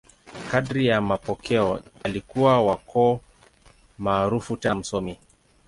Kadiri ya mapokeo, alikuwa wa ukoo maarufu tena msomi.